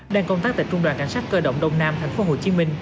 đang công tác tại trung đoàn cảnh sát cơ động đông nam tp hcm